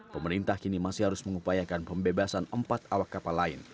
pemerintah kini masih harus mengupayakan pembebasan empat awak kapal lain